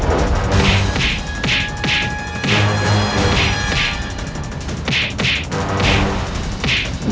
aku akan menangkapmu